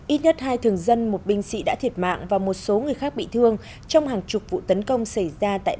ít nhất hai thường dân một binh sĩ đã thiệt mạng và một số người khác bị thương trong hàng chục vụ tấn công